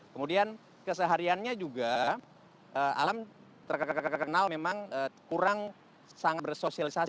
kemudian kesehariannya juga alam terkenal memang kurang sangat bersosialisasi